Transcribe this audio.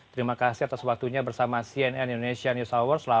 terima kasih atas waktunya bersama cnn indonesia news hour